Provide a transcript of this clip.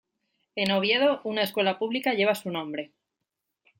En Oviedo, una escuela pública lleva su nombre.